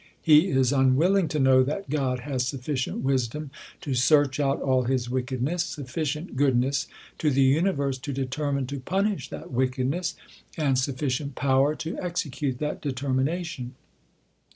He is unwilling to know that God has sufficient wisdom to search out all his wickedness, sufficient goodness to the universe to determine to punish that wickedness, and sufficient power to execute that determination.